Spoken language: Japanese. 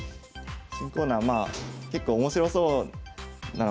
新コーナーまあ結構面白そうなのかなと思って